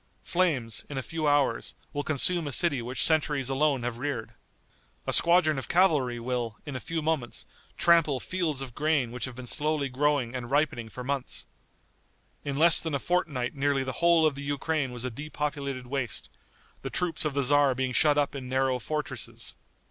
Flames, in a few hours, will consume a city which centuries alone have reared. A squadron of cavalry will, in a few moments, trample fields of grain which have been slowly growing and ripening for months. In less than a fortnight nearly the whole of the Ukraine was a depopulated waste, the troops of the tzar being shut up in narrow fortresses.